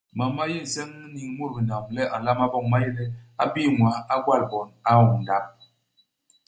Mam ma yé nseñ iniñ i mut binam le a nlama boñ ma yé le, a bii ñwaa, a gwal bon, a oñ ndap.